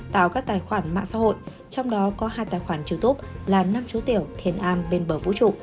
tạo các tài khoản mạng xã hội trong đó có hai tài khoản youtube là nam chú tiểu thiền an bên bờ vũ trụ